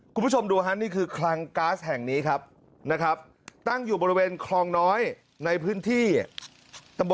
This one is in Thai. คุณผู้ชมดูนี่คือคลังก๊าซแห่งนี้ครับ